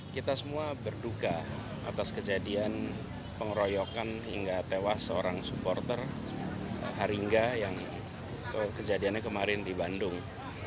kita semua berduka atas kejadian pengeroyokan hingga tewas seorang supporter haringga yang kejadiannya kemarin di bandung